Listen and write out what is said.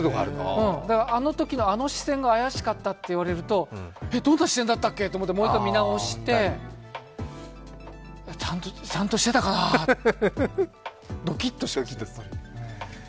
だからあのときのあの視線が怪しかったと言われるとえっ、どんな視線だったっけと思ってまた見直してちゃんとしてたかな、ドキっとする。